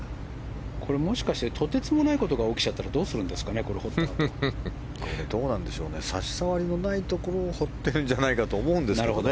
これ、もしかしたらとてつもないことが起きちゃったらどうするんですか差しさわりのないところを掘っているんじゃないかと思うんですけどね。